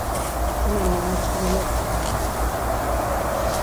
Ç̆umen nanaçkimi moxtasinon.